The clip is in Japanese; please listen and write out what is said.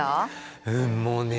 うんもうね